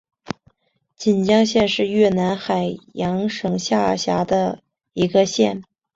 锦江县是越南海阳省下辖的一个县。